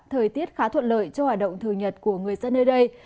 thời tiết khá thuận lợi cho hoạt động thường nhật của người dân nơi đây